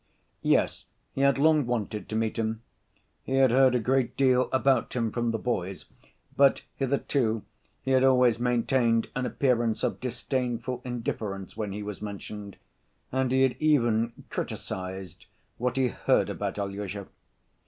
Yes, he had long wanted to meet him. He had heard a great deal about him from the boys, but hitherto he had always maintained an appearance of disdainful indifference when he was mentioned, and he had even "criticized" what he heard about Alyosha.